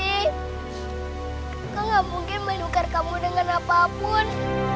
aku gak mungkin menukar kamu dengan apapun